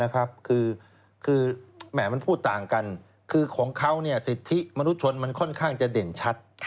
คือมันพูดต่างกันคือของเขาสิทธิมนุษยชนมันค่อนข้างจะเด่นชัด